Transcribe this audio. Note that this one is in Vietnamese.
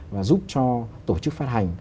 và giúp cho tổ chức phát hành